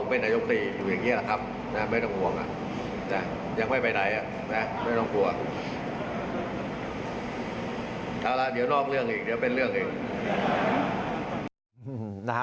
เอาล่ะเดี๋ยวนอกเรื่องอีกเดี๋ยวเป็นเรื่องอีก